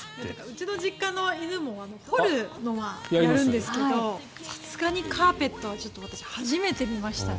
うちの実家の犬も掘るのはやるんですけどさすがにカーペットはちょっと私初めて見ましたね。